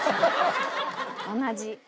同じ。